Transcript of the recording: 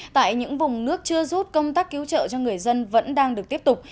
tại những vùng nước chưa rút công tác cứu trợ cho người dân vẫn đang được tiếp tục